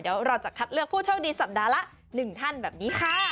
เดี๋ยวเราจะคัดเลือกผู้โชคดีสัปดาห์ละ๑ท่านแบบนี้ค่ะ